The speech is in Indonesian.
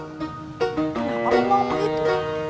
kenapa mau begitu